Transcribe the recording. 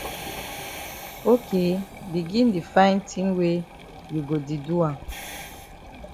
Ok begin di find tin wey you go di do am.